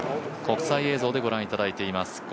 国際映像で御覧いただいています。